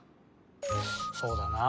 そうだなあ。